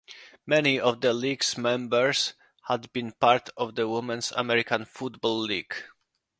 Many of the league's members had been part of the Women's American Football League.